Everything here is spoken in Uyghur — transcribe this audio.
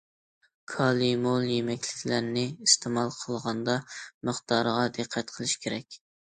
كالىي مول يېمەكلىكلەرنى ئىستېمال قىلغاندا مىقدارىغا دىققەت قىلىش كېرەك.